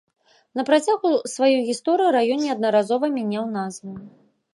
На працягу сваёй гісторыі раён неаднаразова мяняў назву.